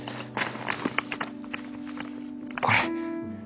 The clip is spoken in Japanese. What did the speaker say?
これ。